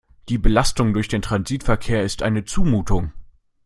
Die Belastung durch den Transitverkehr ist eine Zumutung.